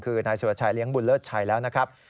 คือนายสุรชัยเลี้ยบุญเลิศชัยแล้วนะครับ